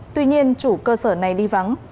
tuy nhiên chủ cơ sở này đi vắng